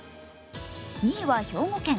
２位は兵庫県。